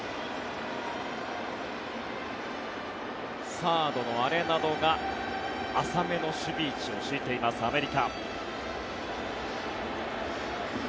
サードのアレナドが浅めの守備位置を敷いていますアメリカ。